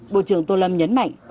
bộ trưởng tô lâm nhấn mạnh